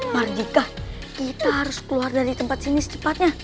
marjika kita harus keluar dari tempat ini secepatnya